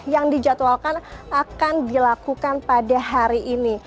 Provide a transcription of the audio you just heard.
yang dijadwalkan akan dilakukan pada hari ini